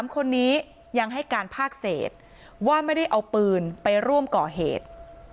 ๓คนนี้ยังให้การภาคเศษว่าไม่ได้เอาปืนไปร่วมก่อเหตุ